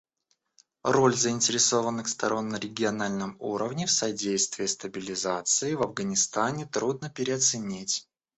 Роль заинтересованных сторон на региональном уровне в содействии стабилизации в Афганистане трудно переоценить.